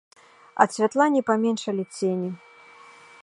Ад святла не паменшалі цені.